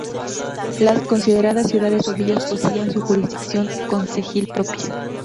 Las consideradas ciudades o villas poseían su jurisdicción concejil propia.